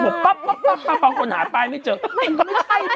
บอกป๊อปป๊อปป๊อปเอาคนหาป้ายไม่เจอไม่ใช่